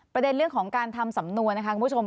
ประเด็นเรื่องของการทำสำนวนนะคะคุณผู้ชม